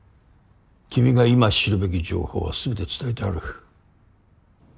君が今知るべき情報はすべて伝えてある。